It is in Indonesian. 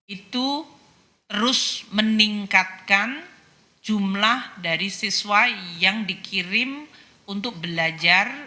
itu terus meningkatkan jumlah dari siswa yang dikirim untuk belajar